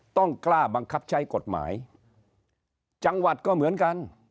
ต้องกล้าบังคับใช้กฎหมายจังหวัดก็เหมือนกัน